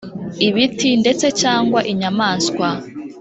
ibiti, ndetse cyangwa inyamaswa.